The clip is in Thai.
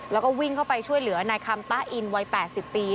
แล้วก็วิ่งเข้าไปช่วยเหลือนายคำต้าอินวัย๘๐ปี